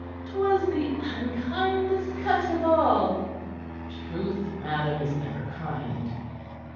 'Twas the unkindest cut of all!" "Truth, madam, is never kind."